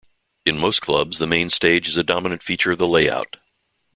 In most clubs the main stage is a dominant feature of the layout.